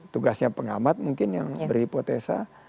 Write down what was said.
tugasnya pengamat mungkin yang berhipotesa